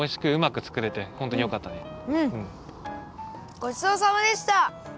ごちそうさまでした。